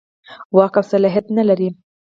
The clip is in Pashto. واک او صلاحیت نه لري.